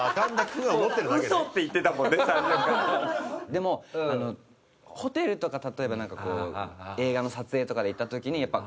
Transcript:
でもホテルとか例えばなんかこう映画の撮影とかで行った時にやっぱ。